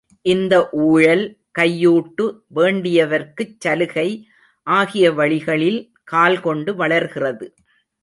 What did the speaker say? இந்த ஊழல், கையூட்டு, வேண்டியவர்க்குச் சலுகை ஆகிய வழிகளில் கால்கொண்டு வளர்கிறது.